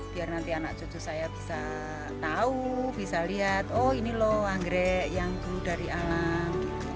biar nanti anak cucu saya bisa tahu bisa lihat oh ini loh anggrek yang dulu dari alam